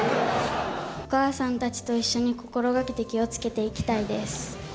お母さんたちと一緒に心がけて気をつけていきたいです。